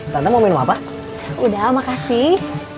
karena mau minum apa udah makasih